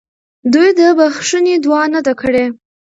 دوی د بخښنې دعا نه ده کړې.